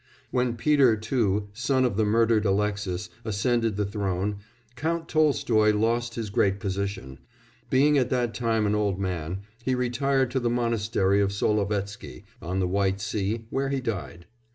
When Peter II, son of the murdered Alexis, ascended the throne, Count Tolstoy lost his great position; being at that time an old man, he retired to the monastery of Solovetsky on the White Sea, where he died.